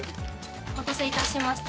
お待たせいたしました。